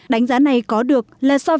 đánh giá này có được là so việt nam